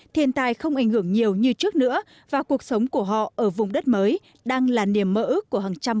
thiên tài không ảnh hưởng nhiều như trước nữa và cuộc sống của họ ở vùng đất mới đang là niềm mơ ước của hàng trăm